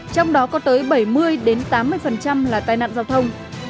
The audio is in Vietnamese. trong đó có tới bảy mươi tám mươi là tai nạn giao thông